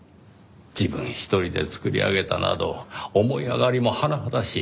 自分一人で作り上げたなど思い上がりも甚だしい。